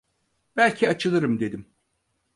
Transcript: Belki açılırım dedim.